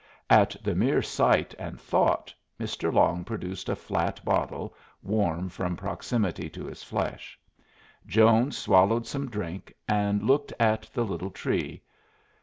At the mere sight and thought Mr. Long produced a flat bottle, warm from proximity to his flesh. Jones swallowed some drink, and looked at the little tree.